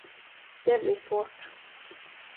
Det blir svårt.